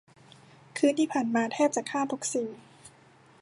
คืนที่ผ่านมาแทบจะฆ่าทุกสิ่ง